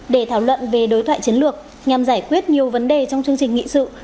để thảo luận về đối thoại chiến lược nhằm giải quyết nhiều vấn đề trong chương trình nghị sự